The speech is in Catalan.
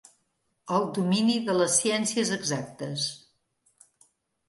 El domini de les ciències exactes.